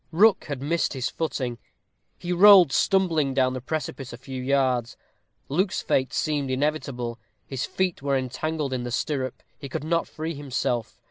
Rook had missed his footing. He rolled stumbling down the precipice a few yards. Luke's fate seemed inevitable. His feet were entangled in the stirrup, he could not free himself.